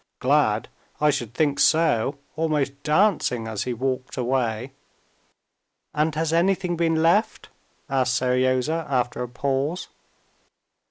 "Glad? I should think so! Almost dancing as he walked away." "And has anything been left?" asked Seryozha, after a pause.